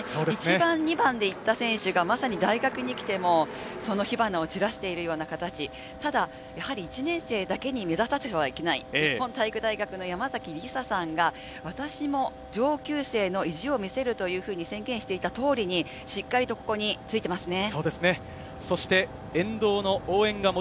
１番、２番でいった選手がまさに大学に来ても、その火花を散らしているような形、ただ１年生だけに目立たせてはいけない、日本体育大学の山崎りささんが、私も上級生の意地を見せるというふうに宣言していた通り、しっかりと、ここについてますね。